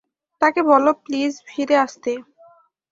তাকে বলো প্লিজ ফিরে আসতে।